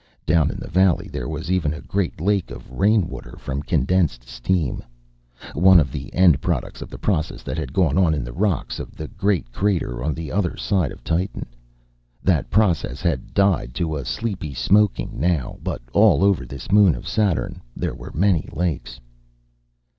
Down in the valley there was even a great lake of rainwater from condensed steam one of the end products of the process that had gone on in the rocks of the great crater on the other side of Titan. That process had died to a sleepy smoking, now; but all over this moon of Saturn there were many lakes.